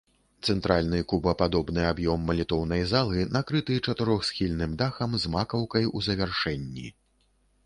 Цэнтральны кубападобны аб'ём малітоўнай залы накрыты чатырохсхільным дахам з макаўкай у завяршэнні.